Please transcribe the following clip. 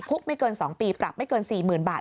ไม่เกิน๒ปีปรับไม่เกิน๔๐๐๐บาท